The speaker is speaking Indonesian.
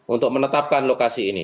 untuk menetapkan lokasi ini